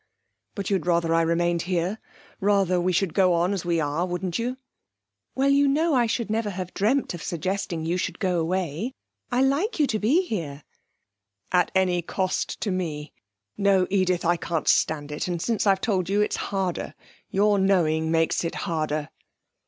'But you'd rather I remained here; rather we should go on as we are wouldn't you?' 'Well, you know I should never have dreamt of suggesting you should go away. I like you to be here.' 'At any cost to me? No, Edith; I can't stand it. And since I've told you it's harder. Your knowing makes it harder.'